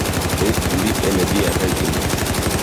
Estu li en Dia regno!